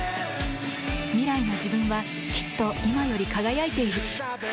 未来の自分はきっと今より輝いている。